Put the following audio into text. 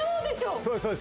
そうです